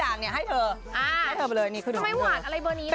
ทำไมหวานอะไรเหมือนนี้นะ